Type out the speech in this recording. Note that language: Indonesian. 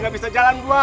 gak bisa jalan gue